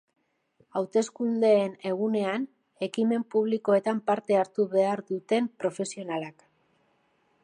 Hauteskundeen egunean, ekimen publikoetan parte hartu behar duten profesionalak.